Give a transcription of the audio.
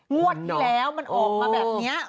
งวดที่แล้วมันออกมาแบบนี้